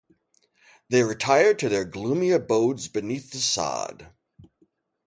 They retired to their gloomy abodes beneath the sod.